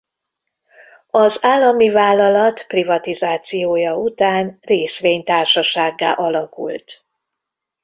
Az állami vállalat privatizációja után részvénytársasággá alakult.